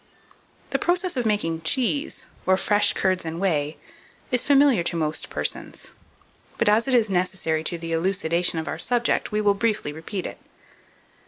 The process of making cheese, or fresh curds and whey, is familiar to most persons; but as it is necessary to the elucidation of our subject, we will briefly repeat it.